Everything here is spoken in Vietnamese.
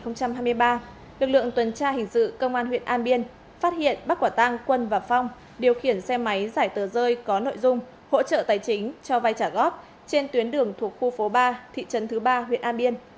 năm hai nghìn hai mươi ba lực lượng tuần tra hình sự công an huyện an biên phát hiện bắt quả tăng quân và phong điều khiển xe máy giải tờ rơi có nội dung hỗ trợ tài chính cho vai trả góp trên tuyến đường thuộc khu phố ba thị trấn thứ ba huyện an biên